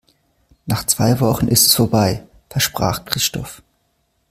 Nach zwei Wochen ist es vorbei, versprach Christoph.